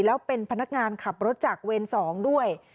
แล้วเป็นพนักงานขับรถจากเวร๒ด้วย